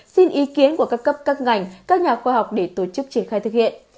xin ý kiến của các cấp các ngành các nhà khoa học để tổ chức triển khai thực hiện